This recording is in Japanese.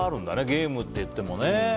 ゲームっていってもね。